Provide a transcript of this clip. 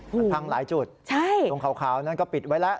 มันพังหลายจุดตรงขาวนั้นก็ปิดไว้แล้ว